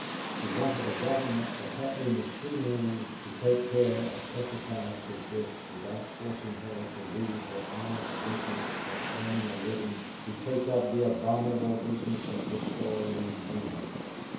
She wanted a government that had a machinery to take care of such a task as this without forcing her to leave her honest business of earning a living to take up the abominable business of destroying men.